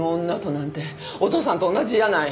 お父さんと同じじゃない。